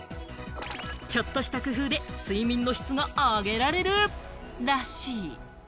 ちょっとした工夫で睡眠の質があげられるらしい。